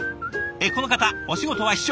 この方お仕事は秘書。